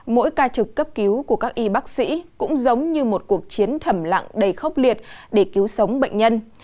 mỗi ca trực cấp cứu của các y bác sĩ cũng giống như một cuộc chiến thẩm lặng đầy khốc liệt để cứu sống bệnh nhân